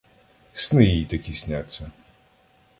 Сни їй такі сняться.